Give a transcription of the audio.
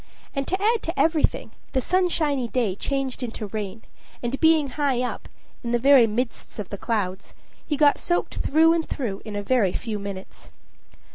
And to add to everything, the sunshiny day changed into rain, and being high up, in the very midst of the clouds, he got soaked through and through in a very few minutes.